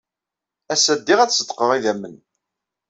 Ass-a, ddiɣ ad ṣeddqeɣ idammen.